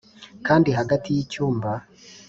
Kandi hagati y icyumba